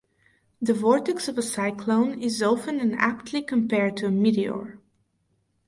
The vortex of a cyclone is often and aptly compared to a meteor.